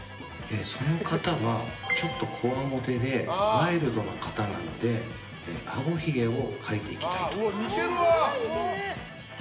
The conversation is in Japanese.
その方はちょっとこわもてでワイルドな方なのであごひげを描いていきたいと思います。